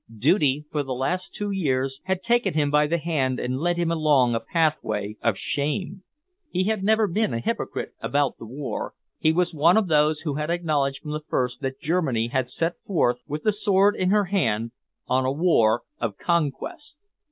Duty, for the last two years, had taken him by the hand and led him along a pathway of shame. He had never been a hypocrite about the war. He was one of those who had acknowledged from the first that Germany had set forth, with the sword in her hand, on a war of conquest.